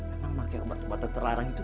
emang makai obat obatan terlarang itu